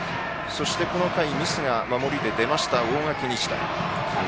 そしてこの回ミスが守りで出た大垣日大。